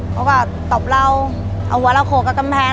เขาก็ตบเราเอาหัวเราโขกกับกำแพง